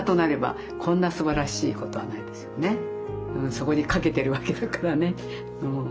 そこにかけてるわけだからね。